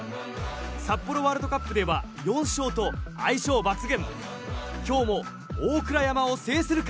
札幌ワールドカップでは４勝と相性抜群。